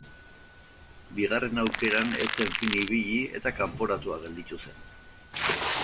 Bigarren aukeran ez zen fin ibili eta kanporatua gelditu zen.